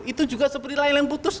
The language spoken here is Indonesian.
itu juga seperti layang putus